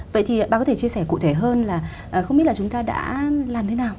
vậy thì bà có thể chia sẻ cụ thể hơn là không biết là chúng ta đã làm thế nào